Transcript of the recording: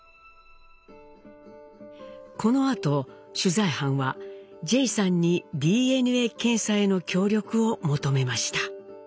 このあと取材班はジェイさんにＤＮＡ検査への協力を求めました。